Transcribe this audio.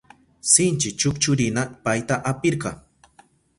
Sinchi chukchurina payta apirka.